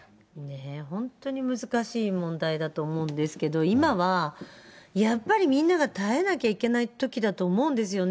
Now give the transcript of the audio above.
本当に難しい問題だと思うんですけれども、今は、やっぱりみんなが耐えなきゃいけないときだと思うんですよね。